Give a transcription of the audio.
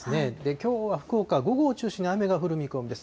きょうは福岡、午後を中心に雨が降る見込みです。